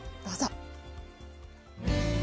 どうぞ！